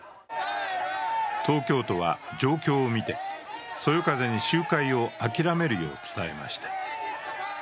東京都は状況をみてそよ風に集会を諦めるよう伝えました。